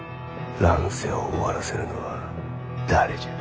乱世を終わらせるのは誰じゃ。